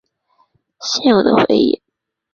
现有的议会。